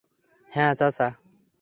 হ্যাঁ, চাচা।